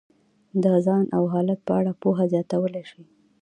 د ځان او حالت په اړه پوهه زیاتولی شي.